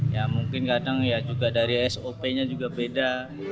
ya mungkin kadang ya juga dari sop nya juga beda